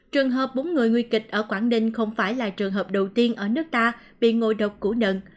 trường hợp bốn người nguy kịch ở quảng ninh không phải là trường hợp đầu tiên ở nước ta bị ngộ độc củ nợ